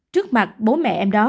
trước mặt bố mẹ em đó